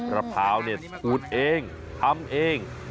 ระเพราสูตรเองทำเอง